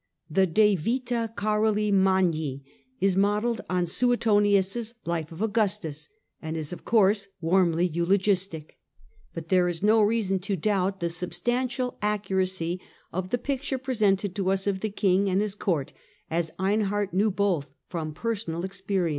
The De Vita Caroli Magni is modelled on Suetonius' life of Augustus, «nd is of course warmly eulogistic. But there is no eason to doubt the substantial accuracy of the picture presented to us of the king and his court, as Einhard knew both from personal experience.